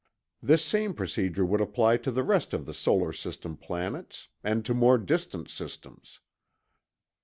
This same procedure would apply to the rest of the solar system planets and to more distant systems.